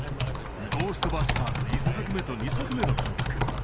「ゴーストバスターズ」１作目と２作目の監督